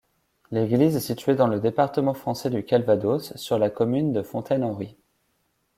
L'église est située dans le département français du Calvados, sur la commune de Fontaine-Henry.